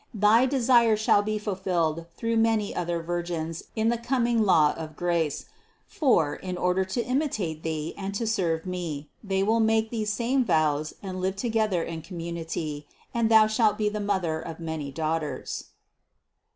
Thy desire shall be fulfilled through many other virgins in the com ing law of grace; for, in order to imitate thee and to serve Me, they will make these same vows and live to gether in community and thou shalt be the Mother of many daughters."